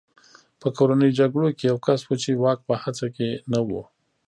په کورنیو جګړو کې یو کس و چې واک په هڅه کې نه و